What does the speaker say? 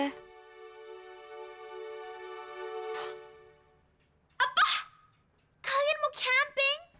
apa kalian mau camping